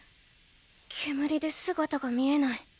煙で姿が見えない。